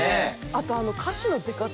あとあの歌詞の出方